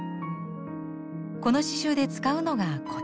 この刺しゅうで使うのがこちら。